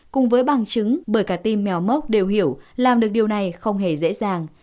cùng với bằng chứng bởi cả team mèo mốc đều hiểu làm được điều này không hề dễ dàng